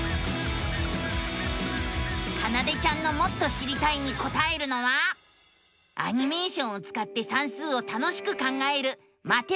かなでちゃんのもっと知りたいにこたえるのはアニメーションをつかって算数を楽しく考える「マテマティカ２」。